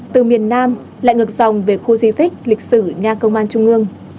từ miền nam lại ngược dòng về khu di tích lịch sử nhà công an trung ương